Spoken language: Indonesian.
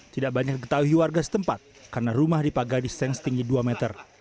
tidak banyak ketahui warga setempat karena rumah dipagadi sehingga dua meter